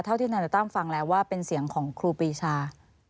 ที่ธนายตั้มฟังแล้วว่าเป็นเสียงของครูปีชา